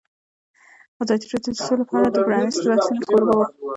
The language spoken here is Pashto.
ازادي راډیو د سوله په اړه د پرانیستو بحثونو کوربه وه.